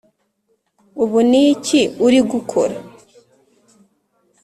ubu ni iki uri gukora?